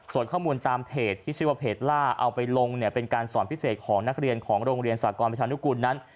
ส่วนข้อมูลตามเพจที่ชื่อว่าเพจล่าเอาไปลงเนี่ยเป็นการสอนพิเศษของนักเรียนของโรงเรียนสากรประชานุกูลนั้น